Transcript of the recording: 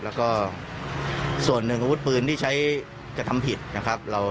แล้วก็ส่วนหนึ่งอาวุธปืนที่ใช้กระทำผิดนะครับ